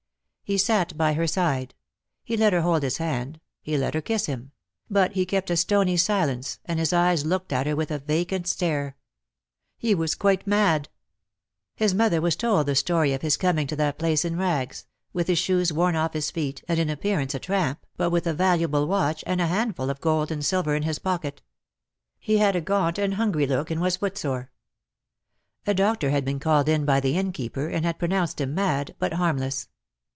He sat by her side; he let her hold his hand; he let her kiss him; but he kept a stony silence, and his eyes looked at her with a vacant stare. He was quite mad. His mother was told the story of his coming to that place in rags, with his shoes worn off his feet, and in appearance a tramp, but with a valuable watch, and a handful of gold and silver in his pocket. He had a gaunt and hungry look, and was footsore. A doctor had been called in by the Innkeeper, and had pronounced him mad, but harmless.